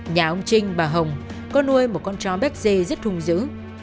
nhà ông trinh bà hồng có nuôi một con chó bé dê rất hung dữ